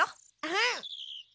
うん！